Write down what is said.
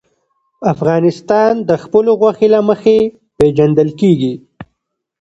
افغانستان د خپلو غوښې له مخې پېژندل کېږي.